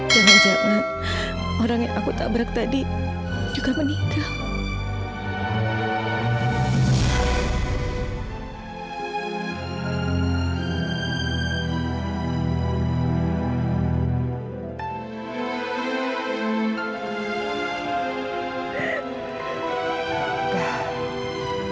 jangan jangan orang yang aku tabrak tadi juga meninggal